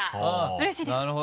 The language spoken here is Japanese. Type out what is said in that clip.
うれしいです。